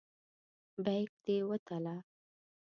بیک دې وتله.